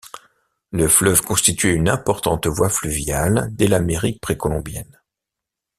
Le fleuve constituait une importante voie fluviale dès l’Amérique précolombienne.